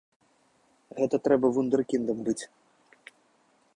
Гэта трэба вундэркіндам быць!